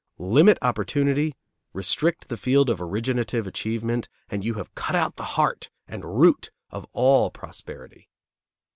Limit opportunity, restrict the field of originative achievement, and you have cut out the heart and root of all prosperity.